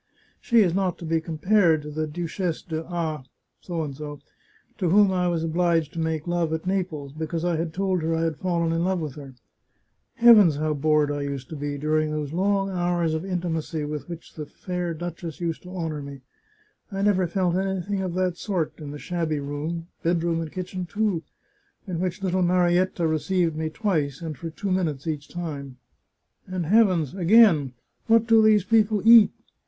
... She is not to be compared to the Duchess d'A , to whom I was obliged to make love, at Naples, because I had told her I had fallen in love with her. Heavens, how bored I used to be during those long hours of intimacy with which the 172 The Chartreuse of Parma fair duchess used to honour me! I never felt anything of that sort in the shabby room — bedroom and kitchen, too— in which little Marietta received me twice, and for two minutes each time! " And heavens, again ! What do those people eat